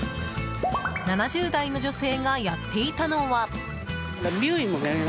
７０代の女性がやっていたのは。